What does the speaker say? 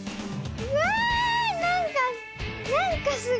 わあなんかなんかすごい。